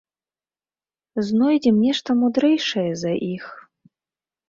Знойдзем нешта мудрэйшае за іх.